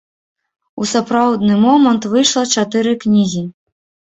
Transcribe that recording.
У сапраўдны момант выйшла чатыры кнігі.